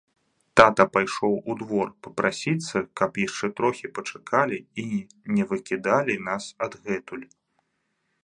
Тата пайшоў у двор прасіцца, каб яшчэ трохі пачакалі і не выкідалі нас адгэтуль.